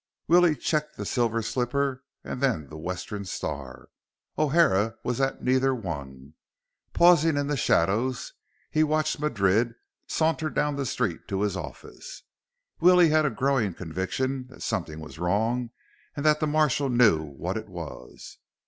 Willie checked the Silver Slipper and then the Western Star. O'Hara was at neither one. Pausing in the shadows, he watched Madrid saunter down the street to his office. Willie had a growing conviction that something was wrong and that the marshal knew what it was.